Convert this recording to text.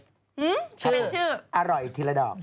ชื่ออร่อยธีรดอก